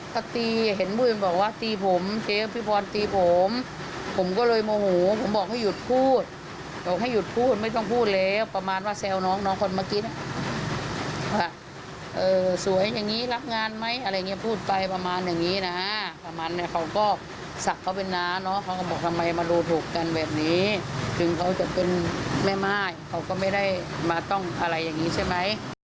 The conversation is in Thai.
จึงเขาจะเป็นแม่ม่ายเขาก็ไม่ได้มาต้องอะไรอย่างนี้ใช่ไหม